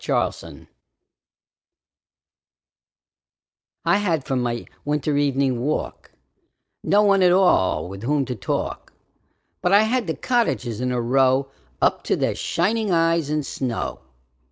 Good Hours I HAD for my winter evening walk No one at all with whom to talk, But I had the cottages in a row Up to their shining eyes in snow.